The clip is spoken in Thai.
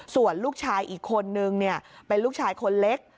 ส่วนลูกชายอีกคนนึงเป็นลูกชายคนเล็ก